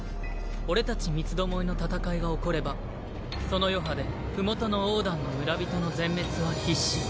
俺たち三つ巴の戦いが起こればその余波で麓のオーダンの村人の全滅は必至。